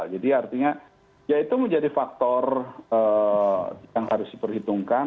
jadi artinya ya itu menjadi faktor yang harus diperhitungkan